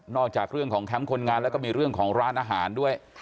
จากเรื่องของแคมป์คนงานแล้วก็มีเรื่องของร้านอาหารด้วย